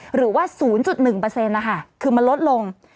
หรือว่า๐๑นะคะคือมันลดลง